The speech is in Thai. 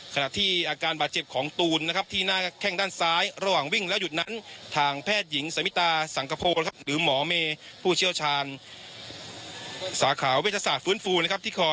ขณะที่อาการบาดเจ็บของตูนที่หน้าแข่งด้านซ้ายระหว่างวิ่งแล้วหยุดนั้นทางแพทย์หญิงสมิตรสังคโพหรือหมอเมผู้เชี่ยวชาญสาขาววิทยาศาสตร์ฟื้นฟูลที่คอยวิ่งติดตามคุณตูน